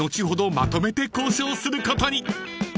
まとめて交渉することに］